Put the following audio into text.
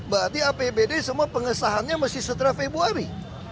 berarti apb d semua pengesahannya mesti setelah februari